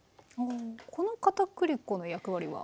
このかたくり粉の役割は？